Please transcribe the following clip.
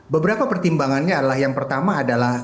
beberapa pertimbangannya adalah yang pertama adalah